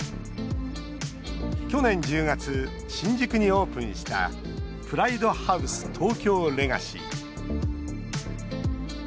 去年１０月、新宿にオープンしたプライドハウス東京レガシー。